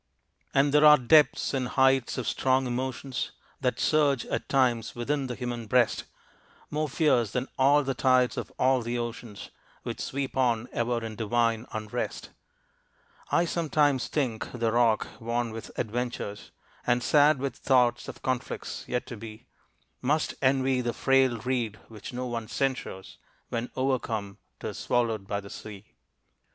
And there are depths and heights of strong emotions That surge at times within the human breast, More fierce than all the tides of all the oceans Which sweep on ever in divine unrest. I sometimes think the rock worn with adventures, And sad with thoughts of conflicts yet to be, Must envy the frail reed which no one censures, When overcome 'tis swallowed by the sea.